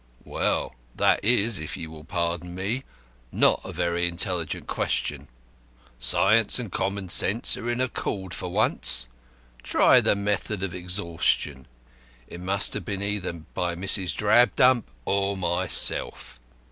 "Well, that is, if you will pardon me, not a very intelligent question. Science and common sense are in accord for once. Try the method of exhaustion. It must have been either by Mrs. Drabdump or myself."